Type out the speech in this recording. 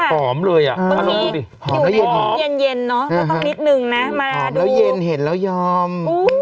หอมแล้วเย็นเห็นแล้วยอม